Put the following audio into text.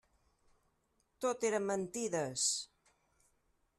Tot eren mentides!